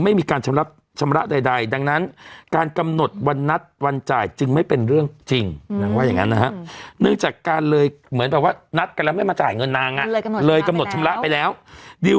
ผมก็ตกใจว่าแม่งแรงหรือวะอะไรอย่างนี้